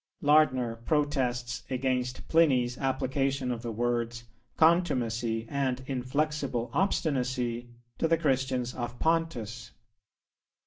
Lardner protests against Pliny's application of the words "contumacy and inflexible obstinacy" to the Christians of Pontus.